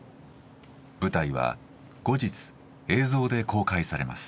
舞台は後日映像で公開されます。